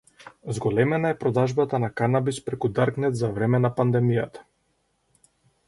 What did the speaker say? Зголемена е продажбата на канабис преку Даркнет за време на пандемијата